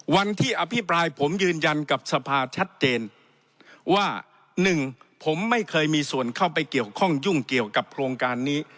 อภิปรายผมยืนยันกับสภาชัดเจนว่าหนึ่งผมไม่เคยมีส่วนเข้าไปเกี่ยวข้องยุ่งเกี่ยวกับโครงการนี้